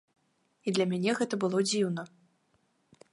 І для мяне гэта было дзіўна.